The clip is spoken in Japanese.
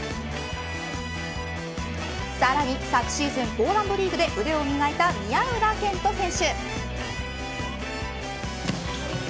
さらに、昨シーズンポーランドリーグで腕を磨いた宮浦健人選手。